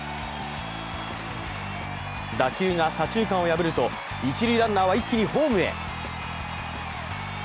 打球が左中間を破ると一塁ランナーは一気にホームへ。